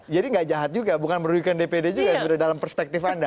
jadi enggak jahat juga bukan merugikan dpd juga sebenarnya dalam perspektif anda